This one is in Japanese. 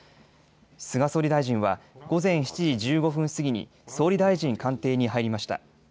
菅総理大臣は午前７時１５分過ぎに総理大臣官邸に入りました。